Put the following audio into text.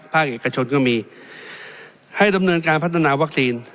เอกชนก็มีให้ดำเนินการพัฒนาวัคซีน